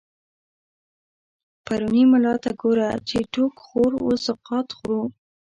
پرو ني ملا ته ګوره، چی ټو ک خور و سقا ط خورو